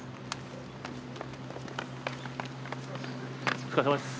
お疲れさまです。